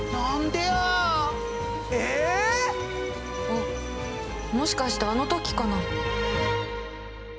あっもしかしてあの時かな？